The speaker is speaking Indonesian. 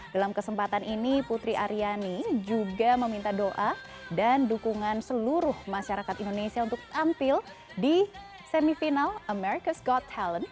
dalam kesempatan ini putri aryani juga meminta doa dan dukungan seluruh masyarakat indonesia untuk tampil di semifinal ⁇ americas ⁇ got talent